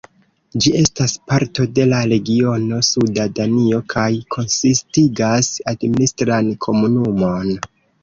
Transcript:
Ĝi estas parto de la regiono Suda Danio kaj konsistigas administran komunumon.